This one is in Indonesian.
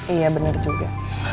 iya bener juga